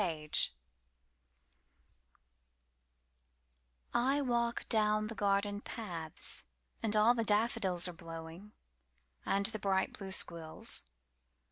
Patterns I WALK down the garden paths, And all the daffodilsAre blowing, and the bright blue squills.